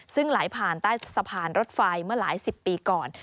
ซึ่งไหลผ่านใต้สะพานรถไฟเมื่อหลายสิบปีก่อน